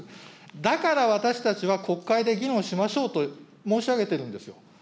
だから私たちは、国会で議論しましょうと申し上げているんですよ。